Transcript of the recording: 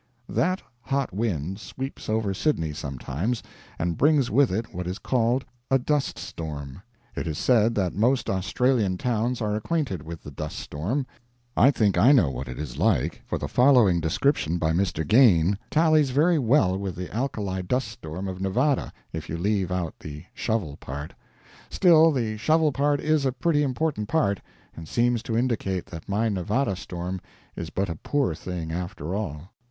That hot wind sweeps over Sydney sometimes, and brings with it what is called a "dust storm." It is said that most Australian towns are acquainted with the dust storm. I think I know what it is like, for the following description by Mr. Gane tallies very well with the alkali duststorm of Nevada, if you leave out the "shovel" part. Still the shovel part is a pretty important part, and seems to indicate that my Nevada storm is but a poor thing, after all.